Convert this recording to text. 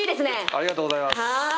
ありがとうございます。